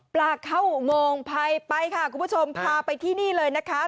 ปลาเข้าอุโมงภัยไปค่ะคุณผู้ชมพาไปที่นี่เลยนะคะ